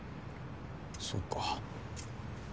そうか。